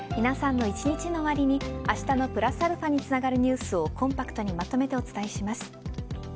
皆さんの一日の終わりにあしたのプラスαにつながるニュースをコンパクトにまとめてお伝えします。